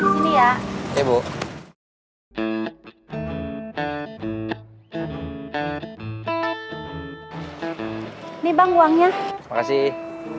hai ini ya ibu ini bang uangnya kasih